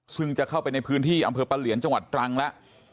ซึ่งจะเข้าไปในพื้นที่อำเภอปะเหลียนจังหวัดตรังแล้ว